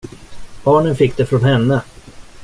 Barnen fick det från henne.